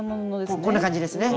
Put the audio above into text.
もうこんな感じですね。